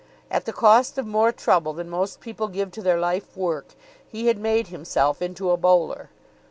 At the cost of more trouble than most people give to their life work he had made himself into a bowler.